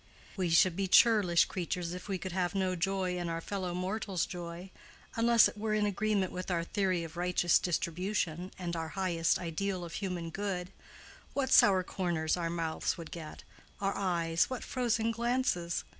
We should be churlish creatures if we could have no joy in our fellow mortals' joy, unless it were in agreement with our theory of righteous distribution and our highest ideal of human good: what sour corners our mouths would get—our eyes, what frozen glances!